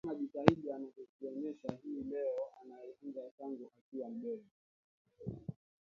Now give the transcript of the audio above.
Anasema jitihada anazozionesha hii leo alianza tangu akiwa mdogo